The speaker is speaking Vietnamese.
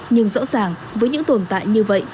nhưng rõ ràng với những tồn tại như vậy